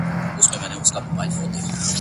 • تك سپين زړگي ته دي پوښ تور جوړ كړی.